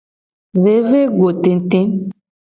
Vevegotete.